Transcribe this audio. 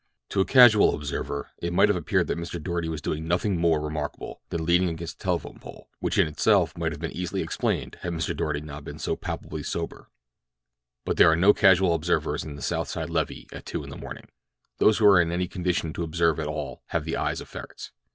To a casual observer it might have appeared that Mr. Doarty was doing nothing more remarkable than leaning against a telephone pole, which in itself might have been easily explained had Mr. Doarty not been so palpably sober; but there are no casual observers in the South Side levee at two in the morning—those who are in any condition to observe at all have the eyes of ferrets.